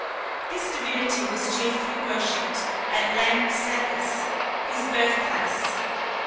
This divinity was chiefly worshipped at Lampsacus, his birthplace.